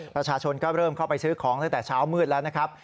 ประชาชนก็เริ่มเข้าไปซื้อของตั้งแต่เช้ามืดแล้วนะครับ